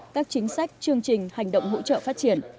các chính sách chương trình hành động hỗ trợ phát triển